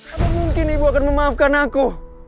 apa mungkin ibu akan memaafkan aku